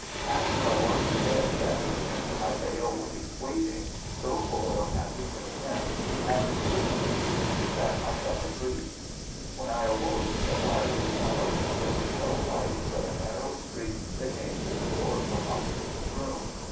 "After I was in bed that evening I lay awake waiting, so full of happy content and certainty that I fell asleep. When I awoke the fire was out, and there was no light but a narrow streak that came through the door from my nurse's room.